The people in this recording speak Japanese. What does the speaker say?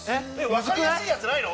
分かりやすいやつないの？